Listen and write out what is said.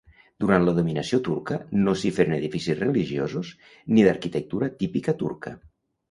Durant la dominació turca no s'hi feren edificis religiosos ni d'arquitectura típica turca.